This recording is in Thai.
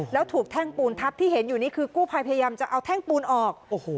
แล้วถูกแท่งปูนทับที่เห็นอยู่นี่คือกู้ภัยพยายามจะเอาแท่งปูนออก